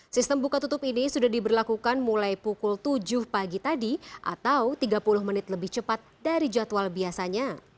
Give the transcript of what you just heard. sistem buka tutup ini sudah diberlakukan mulai pukul tujuh pagi tadi atau tiga puluh menit lebih cepat dari jadwal biasanya